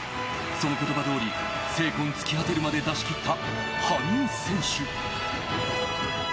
その言葉どおり精根尽き果てるまで出し切った羽生選手。